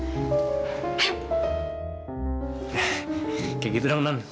seperti itu nona